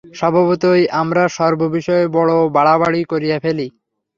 স্বভাবতই আমরা সর্ববিষয়ে বড় বাড়াবাড়ি করিয়া ফেলি।